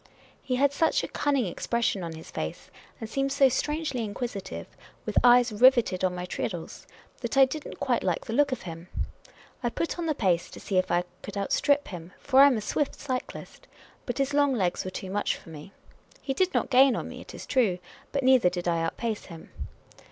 He had such a cunning ex pression on his face, and seemed so strangely inquisitive, with eyes riveted on my treadles, that I did n't quite like the look of him. I put on the pace, to see if I could outstrip him, for I am a swift cyclist. But his long legs were too much for me. He did not gain on me, it is true ; but neither did I outpace him.